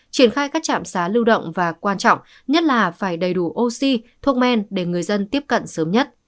triển khai các trạm xá lưu động và quan trọng nhất là phải đầy đủ oxy thuốc men để người dân tiếp cận sớm nhất